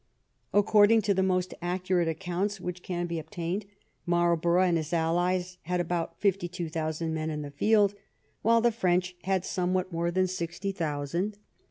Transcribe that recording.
According to the most accurate accounts which can be obtained, Marlborough and his allies had about fifty two thousand men in the field, while the French had somewhat more than sixty thousand.